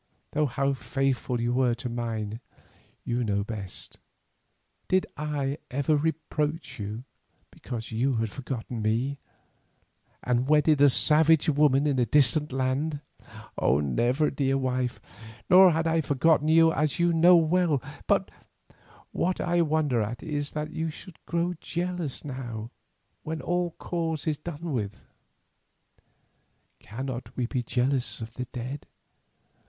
though how faithful you were to mine you know best. Did I ever reproach you because you had forgotten me, and wedded a savage woman in a distant land?" "Never, dear wife, nor had I forgotten you as you know well; but what I wonder at is that you should grow jealous now when all cause is done with." "Cannot we be jealous of the dead?